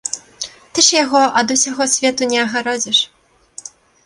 Ты ж яго ад усяго свету не агародзіш!